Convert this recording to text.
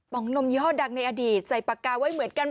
องนมยี่ห้อดังในอดีตใส่ปากกาไว้เหมือนกัน